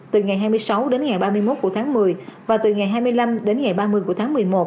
từ ngày hai mươi sáu đến ngày ba mươi một của tháng một mươi và từ ngày hai mươi năm đến ngày ba mươi của tháng một mươi một